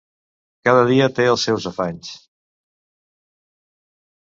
Cada dia té els seus afanys.